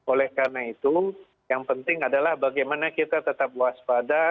oleh karena itu yang penting adalah bagaimana kita tetap waspada